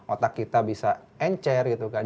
otak kita bisa encer gitu kan